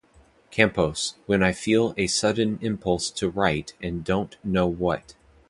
Campos, when I feel a sudden impulse to write and don't know what.